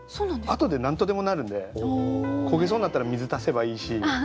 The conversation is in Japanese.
あとで何とでもなるんで焦げそうになったら水足せばいいし